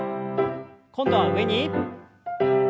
今度は上に。